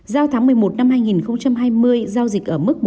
giao tháng một mươi một năm hai nghìn hai mươi giao dịch ở mức một ba trăm linh